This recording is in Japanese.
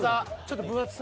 分厚さ。